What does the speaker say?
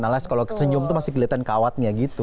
alex kalau senyum itu masih kelihatan kawatnya gitu